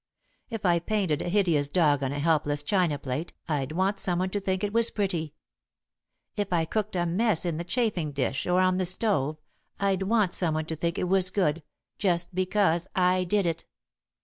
If I painted a hideous dog on a helpless china plate, I'd want someone to think it was pretty. If I cooked a mess in the chafing dish or on the stove, I'd want someone to think it was good, just because I did it!